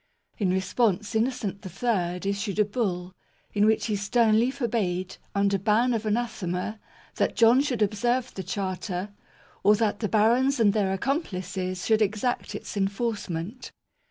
In response, Innocent III issued a Bull, in which he sternly for bade, under ban of anathema, that John should ob serve the Charter, or that the barons and their "accomplices" should exact its enforcement.